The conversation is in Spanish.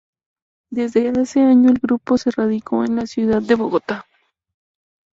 Desde ese año, el grupo se radicó en la ciudad de Bogotá.